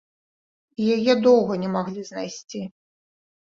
І яе доўга не маглі знайсці.